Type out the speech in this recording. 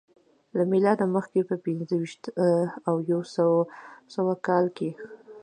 له میلاده مخکې په پنځه ویشت او یو سوه کال کې